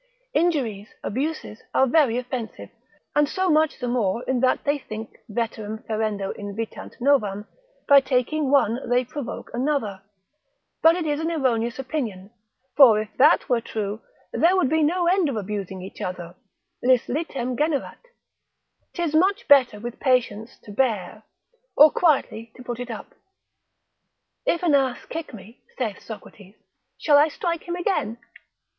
Injuries, abuses, are very offensive, and so much the more in that they think veterem ferendo invitant novam, by taking one they provoke another: but it is an erroneous opinion, for if that were true, there would be no end of abusing each other; lis litem generat; 'tis much better with patience to bear, or quietly to put it up. If an ass kick me, saith Socrates, shall I strike him again?